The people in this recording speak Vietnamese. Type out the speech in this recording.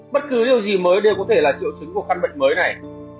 bất cứ điều gì mới đều có thể là triệu chứng của căn bệnh mới này